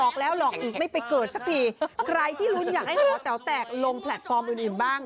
คนทำก็จะได้มีกำลังใจสู้ต่อนะ